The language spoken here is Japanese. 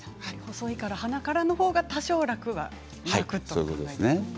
細いから鼻からのほうが多少、楽ということですね。